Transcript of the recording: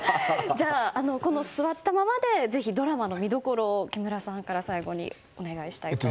この座ったままでぜひドラマの見どころを木村さんから最後にお願いしたいと思います。